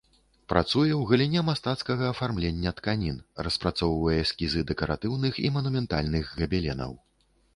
Працуе ў галіне мастацкага афармлення тканін, распрацоўвае эскізы дэкаратыўных і манументальных габеленаў.